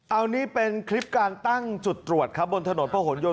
อันนี้เป็นคลิปการตั้งจุดตรวจครับบนถนนพระหลโยน